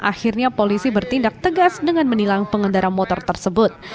akhirnya polisi bertindak tegas dengan menilang pengendara motor tersebut